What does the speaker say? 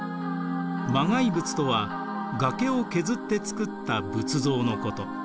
磨崖仏とは崖を削って作った仏像のこと。